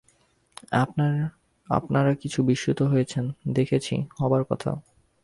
আপনারা কিছু বিস্মিত হয়েছেন দেখছি– হবার কথা।